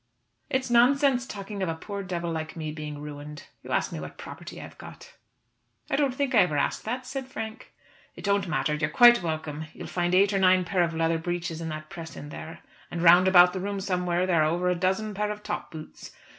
"It's nonsense talking of a poor devil like me being ruined. You ask me what property I have got." "I don't think I ever asked that," said Frank. "It don't matter. You're quite welcome. You'll find eight or nine pair of leather breeches in that press in there. And round about the room somewhere there are over a dozen pair of top boots.